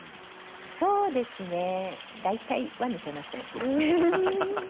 そうですね大体は抜けません。